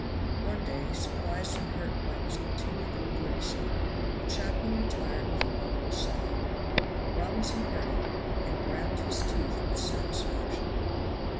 One day, surprised and hurt by this continued obduracy, the chaplain retired with an audible sigh. Robinson heard it, and ground his teeth with satisfaction.